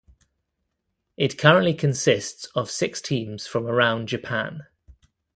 It currently consists of six teams from around Japan.